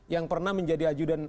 yang pernah menjadi ajudan